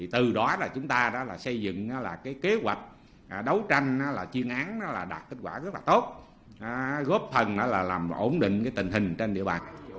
từ đó là chúng ta xây dựng kế hoạch đấu tranh là chuyên án đạt kết quả rất là tốt góp phần làm ổn định tình hình trên địa bàn